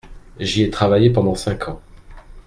J’y ai travaillé pendant cinq ans.